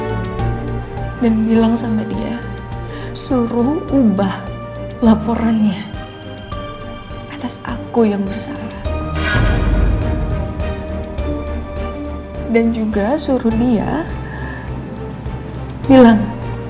hai dan bilang sama dia suruh ubah laporannya atas aku yang bersalah dan juga suruh dia bilang